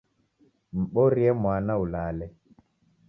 Mborie mwana ulale.